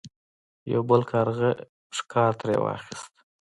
یو بل کارغه ښکار ترې واخیست.